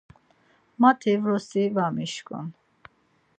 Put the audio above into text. Mati vrosi va mişǩun.